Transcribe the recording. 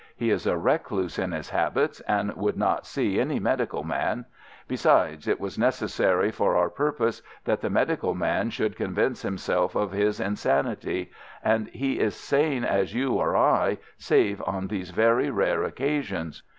He is a recluse in his habits, and would not see any medical man. Besides, it was necessary for our purpose that the medical man should convince himself of his insanity; and he is sane as you or I, save on these very rare occasions.